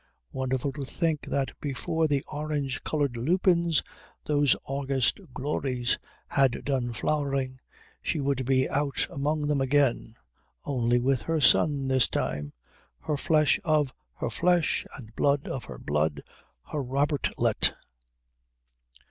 Wonderful to think that before the orange coloured lupins, those August glories, had done flowering, she would be out among them again, only with her son this time, her flesh of her flesh and blood of her blood, her Robertlet.